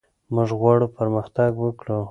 موږ غواړو پرمختګ وکړو.